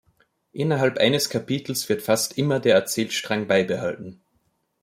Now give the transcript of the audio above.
Innerhalb eines Kapitels wird fast immer der Erzählstrang beibehalten.